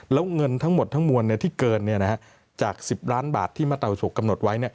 แล้วเงินทั้งหมดทั้งมวลที่เกินจาก๑๐ล้านบาทที่มาเตาฉกกำหนดไว้